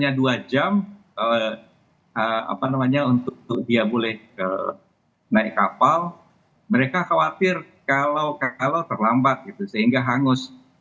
jadi kalau mereka sudah berjalan ke apa namanya untuk dia boleh naik kapal mereka khawatir kalau terlambat gitu sehingga hangus